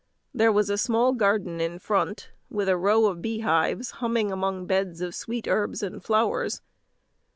There was a small garden in front, with a row of beehives humming among beds of sweet herbs and flowers.